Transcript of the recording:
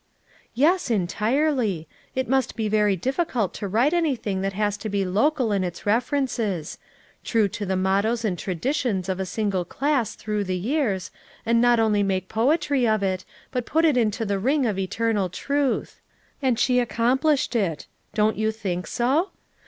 "Yes, entirely. It must be very difficult to write anything that has to be local in its ref erences; — true to the mottoes and traditions of a single class through the years, and not only make poetry of it, but put into it the ring of eternal truth; and she accomplished it. Don't you think so?